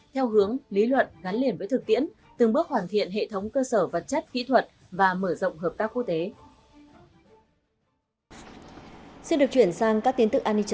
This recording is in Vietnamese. theo hướng lý luận gắn liền với thực tiễn từng bước hoàn thiện hệ thống cơ sở vật chất kỹ thuật và mở rộng hợp tác quốc tế